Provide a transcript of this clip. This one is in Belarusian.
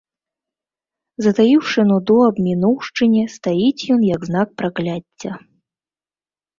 Затаіўшы нуду аб мінуўшчыне, стаіць ён, як знак пракляцця.